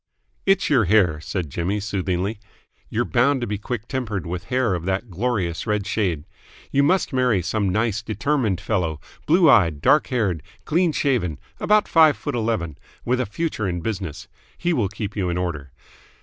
"It's your hair," said Jimmy soothingly. "You're bound to be quick tempered with hair of that glorious red shade. You must marry some nice, determined fellow, blue eyed, dark haired, clean shaven, about five foot eleven, with a future in business. He will keep you in order."